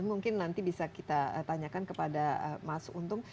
mungkin nanti bisa kita tanyakan kepada mas untung